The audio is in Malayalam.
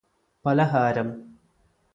പലഹാരം